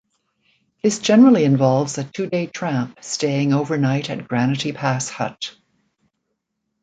This generally involves a two-day tramp staying overnight at Granity Pass Hut.